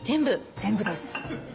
全部です。